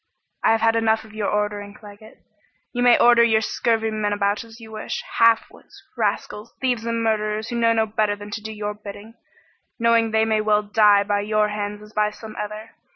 "I have had enough of your ordering, Claggett. You may order your scurvy men about as you wish half wits, rascals, thieves and murderers who know no better than to do your bidding, knowing they may well die by your hands as by some other.